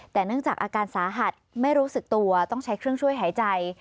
แต่เนื่องจากอาการสาหัสไม่รู้สึกตัวต้องใช้เครื่องช่วยหายใจ